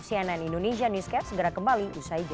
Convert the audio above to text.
cnn indonesia newscast segera kembali usai jeda